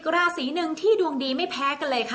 ส่งผลทำให้ดวงชะตาของชาวราศีมีนดีแบบสุดเลยนะคะ